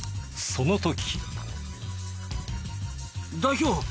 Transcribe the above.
その時。